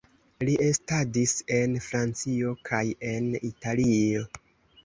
Li estadis en Francio kaj en Italio.